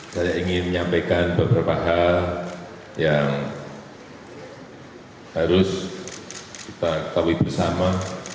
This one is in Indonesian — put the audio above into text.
saya ingin menyampaikan beberapa hal yang harus kita ketahui bersama